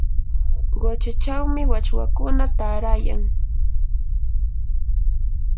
quchachawmi wachwakuna taarayan.